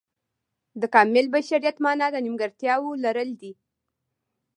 د کامل بشریت معنا د نیمګړتیاو لرل دي.